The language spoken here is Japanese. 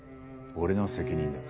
俺の責任だ。